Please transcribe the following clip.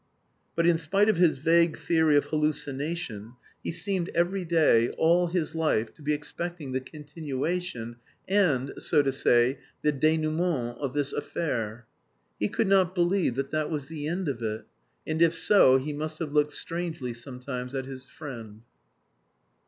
But in spite of his vague theory of hallucination he seemed every day, all his life, to be expecting the continuation, and, so to say, the dénouement of this affair. He could not believe that that was the end of it! And if so he must have looked strangely sometimes at his friend.